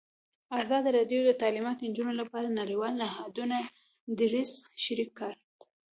ازادي راډیو د تعلیمات د نجونو لپاره د نړیوالو نهادونو دریځ شریک کړی.